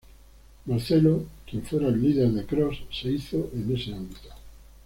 Marcelo, quien fuera el líder de Cross se hizo en ese ámbito.